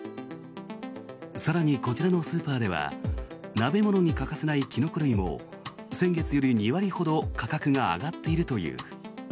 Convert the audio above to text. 更にこちらのスーパーでは鍋物に欠かせないキノコ類も先月より２割ほど価格が上がっているという。